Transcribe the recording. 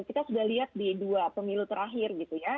kita sudah lihat di dua pemilu terakhir